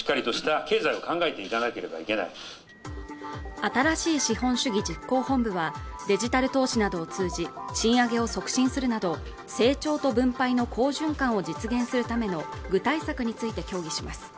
新しい資本主義実行本部はデジタル投資などを通じ賃上げを促進するなど成長と分配の好循環を実現するための具体策について協議します